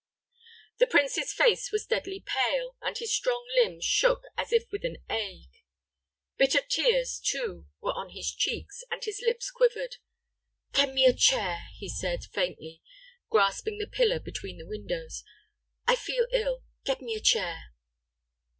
The prince's face was deadly pale, and his strong limbs shook as if with an ague. Bitter tears, too, were on his cheeks, and his lips quivered. "Get me a chair," he said, faintly, grasping the pillar between the windows; "I feel ill get me a chair."